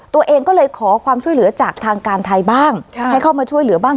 ตัวเองก็เลยขอความช่วยเหลือจากทางการไทยบ้างให้เข้ามาช่วยเหลือบ้าง